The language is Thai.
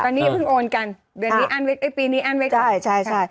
ตอนนี้พึ่งโอนกันปีนี้อันไว้ค่ะ